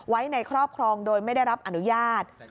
ไว้ในครอบครองโดยไม่ได้รับอนุญาต